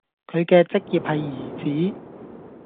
佢嘅職業係兒子